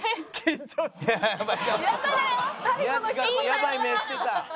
宮近君やばい目してた！